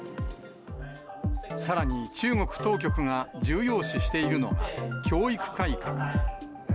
さらに、中国当局が重要視しているのが、教育改革。